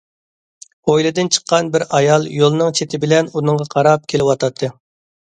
ھويلىدىن چىققان بىر ئايال يولنىڭ چېتى بىلەن ئۇنىڭغا قاراپ كېلىۋاتاتتى.